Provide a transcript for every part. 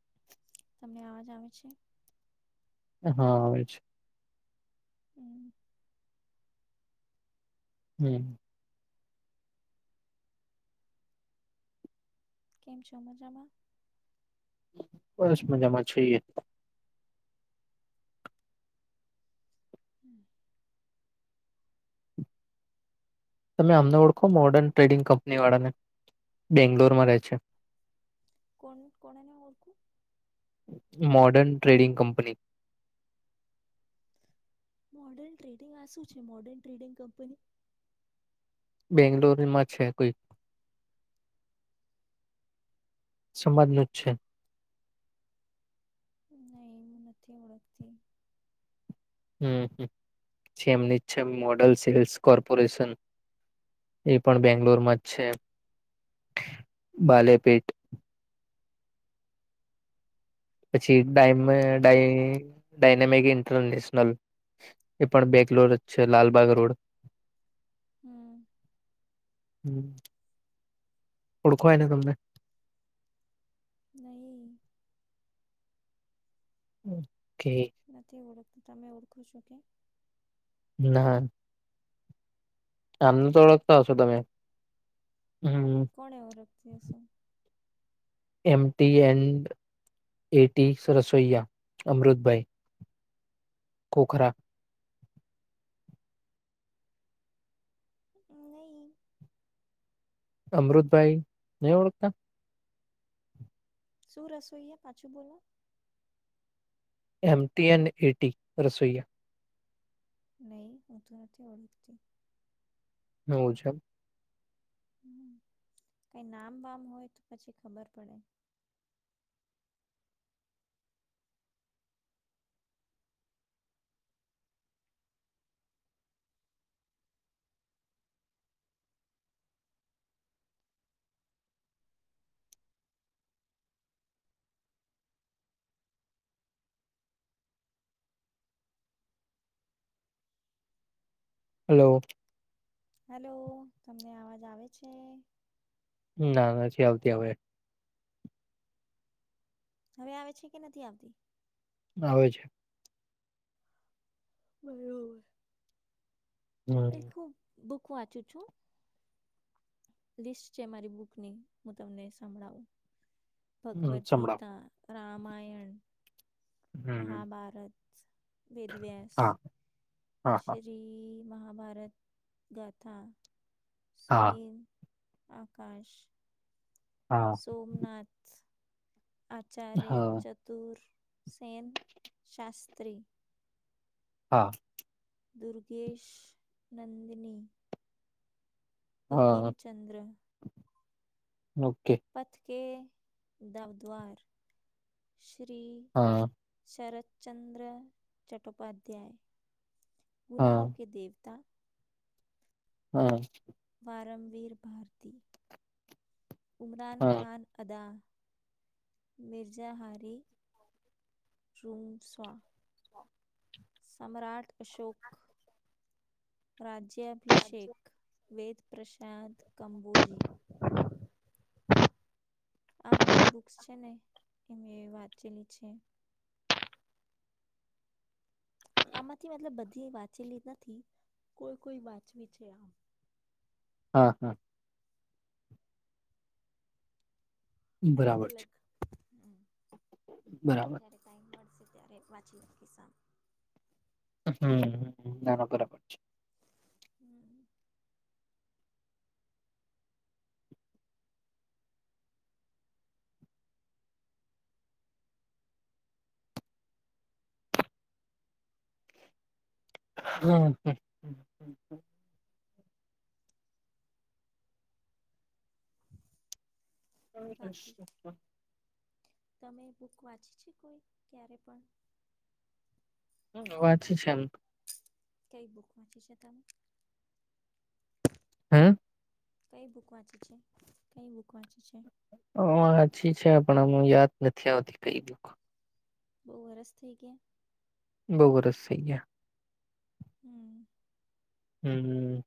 [inaudible] ને અવાજ આવે છે? હા આવે છે. હમ્મ. હમ્મ. કેમ છો મજામાં? બસમાં મજામા છીએ. હમ્મ. તમે આમને ઓળખો મોર્ડર્ન ટ્રેડિંગ કંપની વાળાને, બેંગ્લોરમાં રહે છે? કોનું, કોને નહિં ઓળખું? Modern trading company. Modern trading આ શું છે, મોડન ટ્રેડિંગ કંપની? બેંગ્લોર માં છે કોઈ. સમાજનું જ છે. નહી હું નથી ઓળખતી. હમ્મ-હમ્મ, જે એમની છે જ મોડલ સેલ્સ કોર્પોરેશન, એ પણ બેંગ્લોરમાં જ છે, બાલેપેટ. પછી ડાયમ અહ ઓકે ડાય ડાયનેમિક ઇન્ટરનેશનલ, એ પણ બેંગ્લોર જ છે લાલબાગ રોડ. હમ્મ. હમ્મ ઓળખો એને તમને? નહી. હમ્મ. નથી ઓળખ તમે ઓળખો છો કે? ના. આમને તો ઓળખતા હશો તમે. હમ કોને ઓળખતી હશે? એમ ટી એન્ડ એટી સ રસોઈયા અમૃતભાઈ ખોખરા. નહી. અમૃતભાઈ, નઈ ઓળખતા? શું રસોઈએ, પાછું બોલો? એમ ટી એન્ડ એટી રસોઈયા. નઈ, હું તો નથી ઓળખતી. [unintelligible] છે. કઈ નામ વામ હોય, તો પછી ખબર પડે. હલો. હેલો, તમને અવાજ આવે છે? ના ના નથી આવતી, હવે. હવે આવે છે, કે નથી આવતી? આવે છે. [unintelligible] એ હમ ખૂબ બુક વાંચું છું. લિસ્ટ છે મારી બુક ની, હું તમને સંભળાવું. ભગવદ્ સંભળાવ ગીતા. રામાયણ. હમ મહાભારત, વેદવ્યાસ હા હા હા શ્રી મહાભારત ગાથા સુનીમ આકાશ હા સોમનાથ આચાર્ય હા ચતુર શેન શાસ્ત્રી હા. દુર્ગેશ, નંદિની હા હા વકીમચંદ્ર ઓકે. કે દવદ્વાર શ્રી હા શરત ચંદ્ર ચટ્ટોપાધ્યાય હા ગુનાઓ કે દેવતા હા. વારમવીર ભારતી ઉમરન હા ખાન અદા મિર્ઝા હારી રૂમસ્વ સમ્રાટ અશોક, રાજ્યાભિષેક, વેદ પ્રસાાદ કંબોજી [inaudible] આ બધી બુક્સ છે ને એ વાતચેલી છે. આમાંથી મતલબ બધી વાંચેલી નથી કોઈ કોઈ વાંચવી છે આમ હા હા અલગ અલગ બરાબર છે બરાબર જારે કઈ મળશે ત્યારે વાંચી નાીશ હમ નાના બરાબર છે. હમ હમ હ બાકી હ તમે બુક વાંચી છે કોઈ ક્યારે પણ વાચી છે એમ કઈ બુક વાચી છે તમે હે કઈ બુક વાંચે છે કઈ બુક વાંચે છે. હ સાચી છે પણ અમુ યાદ નથી આવતી કઈ દુક બહુ વરસ થઇ ગયા બહુબરસ સહી છે. હમ હમ હ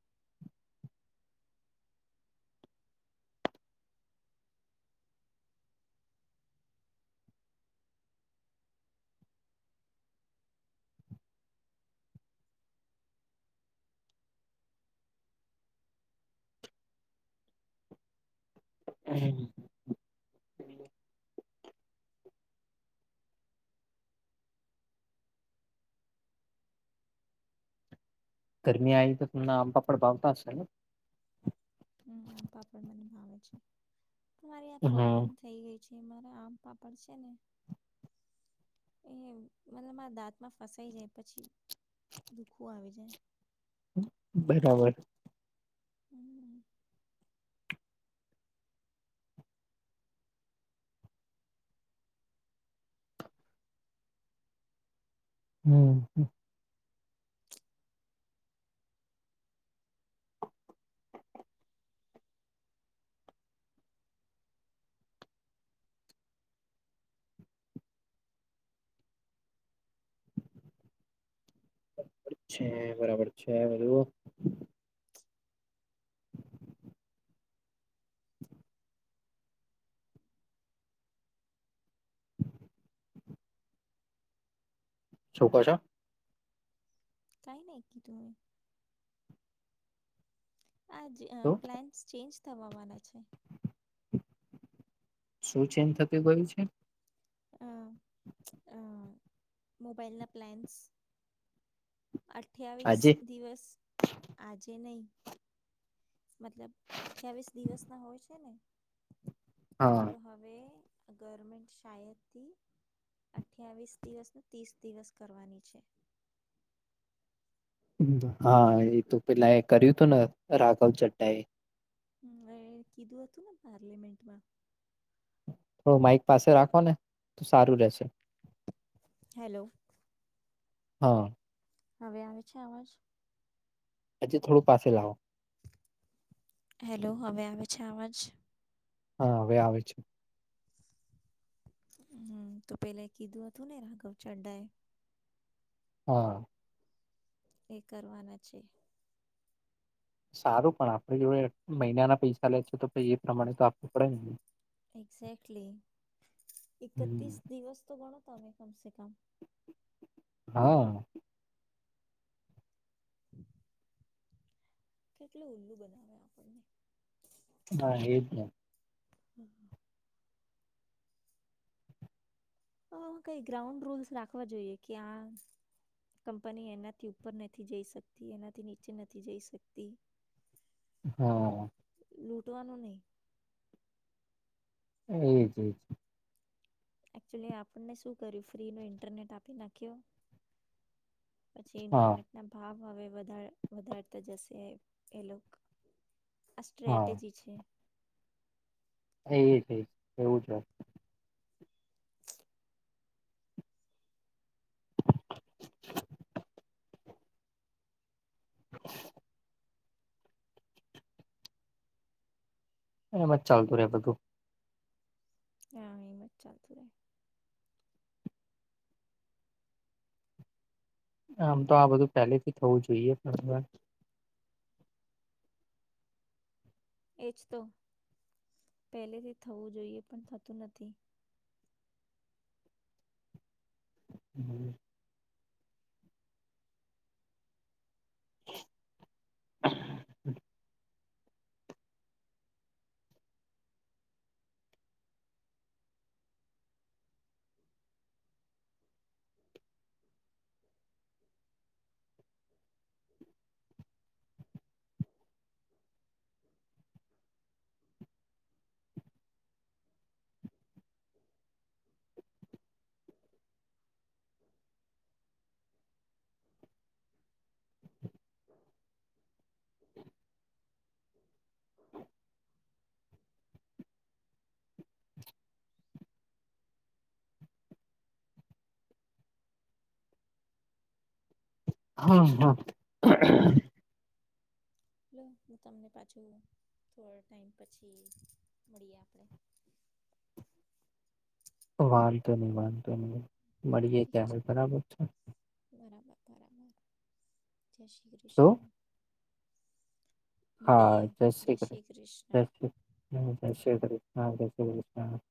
હમ ગરમી આવી તો તમ આંબાપડ ભાવતા હશે ને હમ આમપાપ મનેમાં આવે છે તમારી આ પ્રોબ્લેમ હમ થઈ ગઈ છે. જે મારા આમ પાપડ છે ને એ મતબ મારા દાંતમાં ફસાઈ જાય પછી દુખું આવી જાય બરાબર. હમ હમ હ બરાબર છે બરાબર છે બધું શું કોશ કઈ નકી તુમે આજ તો પ્લાન ચેન્જ તમાવાવાના છે શું ચેજ થતી ગયું છે હ મોબાઈલ ના પ્લાન્સ અઠવીસ આજે દિવસ આજે નહી મતલબ અઠયાવીસ દિવસ ના હોય છે ને હા તો હવે ગવર્મેન્ટ શાયદથી અઠયાવીસ દિવસને ત્રીસ દિવસ કરવાની છે. હા એ તો પેલા કર્યું હતું ને રાઘવ ચડ્ડા એ કીધું હતું ને પાર્લમેન્ટમાં થોડું માઈક પાસે રાખો ને તો સારું રેશે હેલો હા હવે આવે છે અવાજ. હજી થોડું પાસે લાવો. હેલો, હવે આવે છે આવાજ. હા, હવે આવે છે. હમ, તો પેલે કીધું હતું ને રાઘવ ચડ્ડાએ. હા. એ કરવાના છે. સારું પણ આપણી જોડે મહિનાના પૈસા લે છે, તો પહી એ પ્રમાણે તો આપવું પડે ને હ. એક્ઝે્ટલી હમ્મ, એકત્તિસ દિવસ તો ગણો તોમે કમસે કમ હા. [unintelligible] કેટલું ઉલ્લું બનાવે આપણને. હા, એ જ ને. હ, હ. આ કઈ ગ્રાઉન્ડ રૂલ્સ રાખવા જોઈએ કે આ કંપની એનાથી ઉપર નથી જઈ શકતી એનાથી નીચે નથી જઈ શકતી. હા. લૂટવાનું નહી. એજ એજ. એકચુલી આપણને શું કર્યું ફ્રી નો ઇન્ટરનેટ આપી નાખ્યો. પછી હા ઇન્ટરનેટના ભાવ હવે વધાર વધારતા જશે એ એ લોક આ હા સ્ટ્રેટેજી છે. એય છે, એવું છે. [unintelligible] એમ જ ચાલતું રે બધું. યા એમજ ચાલતું રે. આમ તો આ બધું પહેલેથી થવું જોઈએ, પણ [unintelligible] એજ તો પહેલેથી થવું જોઈએ પણ થતું નથી. હમ. [unintelligible] [unintelligible] [unintelligible] હા હા. લો હું તમને પાછું થોડો ટાઈમ પછી મળીએ આપડે. વાંધો નહી વાંધો નહી. મળીએ ત્યાં ઠીક હાલ બરાબર છે. છે બરાબર બરાબર. જય શ્રી શું ક્રિષ્ન. હા, જય શ્રી કૃષ્ જય શ્રી હમ જય શ્રી કૃષ હા, જય શ્રી ક્રિષ્ન.